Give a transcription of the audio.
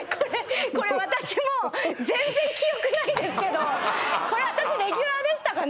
これ私もんですけどこれ私レギュラーでしたかね？